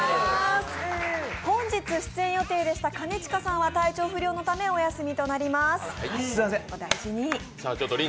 本日出演予定でした兼近さんは体調不良のためお休みとなります。